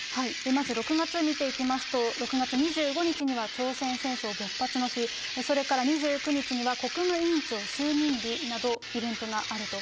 まず６月を見ていきますと、６月２５日には朝鮮戦争勃発の日、それから２９日には、国務委員長就任日などイベントがあると。